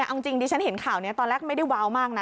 เอาจริงดิฉันเห็นข่าวนี้ตอนแรกไม่ได้ว้าวมากนะ